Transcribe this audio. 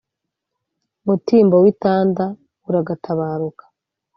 mutimbo w’i tanda uragatabaruka.